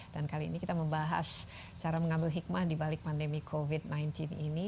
dan kali ini kita membahas cara mengambil hikmah dibalik pandemi covid sembilan belas ini